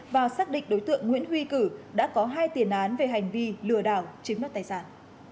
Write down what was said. và xác định đối tượng nguyễn huy cử đã có hai tiền án về hành vi lừa đảo chiếm đoạt tài sản